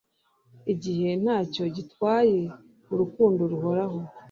igihe ntacyo gitwaye urukundo ruhoraho